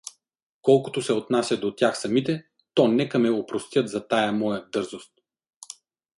Колкото се отнася до тях самите, то нека ме опростят за тая моя дързост.